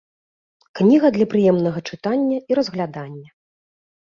Кніга для прыемнага чытання і разглядання.